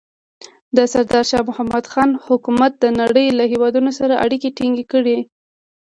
د سردار شاه محمود خان حکومت د نړۍ له هېوادونو سره اړیکې ټینګې کړې.